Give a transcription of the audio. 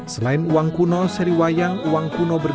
selain uang kuno seri wayang uang kuno berbeda